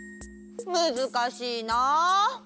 むずかしいな。